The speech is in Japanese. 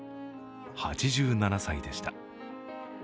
８７歳でした。